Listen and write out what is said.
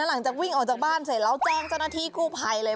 หลังจากวิ่งออกจากบ้านเสร็จแล้วแจ้งเจ้าหน้าที่กู้ภัยเลย